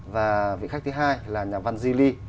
và vị khách thứ hai là nhà văn di ly